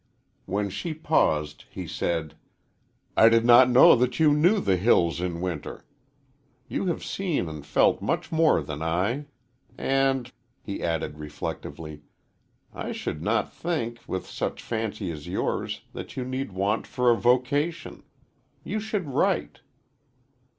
When she paused, he said: "I did not know that you knew the hills in winter. You have seen and felt much more than I. And," he added reflectively, "I should not think, with such fancy as yours, that you need want for a vocation; you should write."